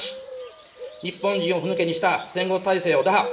日本人をふぬけにした戦後体制を打破。